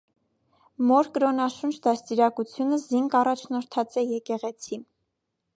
Մօր կրօնաշունչ դաստիարակութիւնը զինք աոաջնորդած է եկեղեցի։